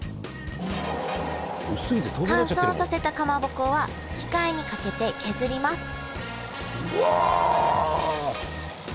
乾燥させたかまぼこは機械にかけて削りますうわ。